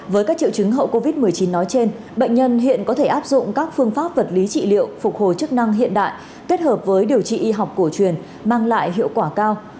với các triệu chứng hậu covid một mươi chín nói trên bệnh nhân hiện có thể áp dụng các phương pháp vật lý trị liệu phục hồi chức năng hiện đại kết hợp với điều trị y học cổ truyền mang lại hiệu quả cao